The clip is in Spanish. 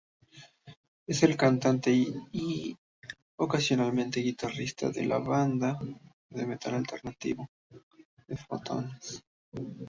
Es el cantante y, ocasionalmente guitarrista, de la banda de metal alternativo Deftones.